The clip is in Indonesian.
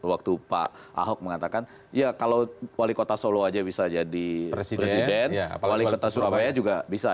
waktu pak ahok mengatakan ya kalau wali kota solo aja bisa jadi presiden wali kota surabaya juga bisa